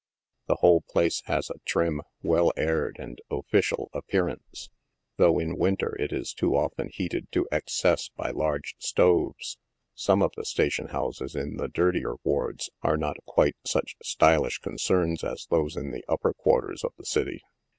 The whole place has a trim, well aired and official appear ance, though in winter it is too often heated to excess by large stoves, Some of the station houses in the dirtier wards are not quite such stylish concerns as those in the upper quarters of the city.